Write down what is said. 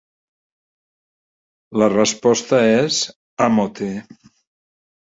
La resposta és «ámote».